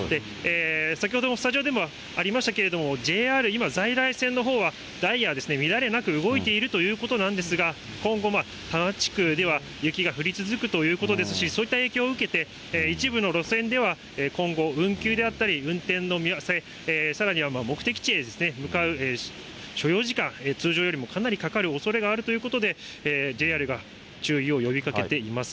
先ほども、スタジオでもありましたけれども、ＪＲ、今在来線のほうは、ダイヤは乱れなく動いているということなんですが、今後、多摩地区では雪が降り続くということですし、そういった影響を受けて、一部の路線では今後、運休であったり、運転の見合わせ、さらには目的地へ向かう所要時間、通常よりもかなりかかるおそれがあるということで、ＪＲが注意を呼びかけています。